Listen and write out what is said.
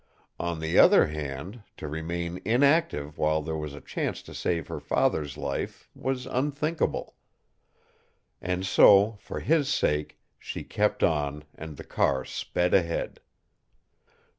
On the other hand, to remain inactive while there was a chance to save her father's life was unthinkable. And so, for his sake, she kept on and the car sped ahead.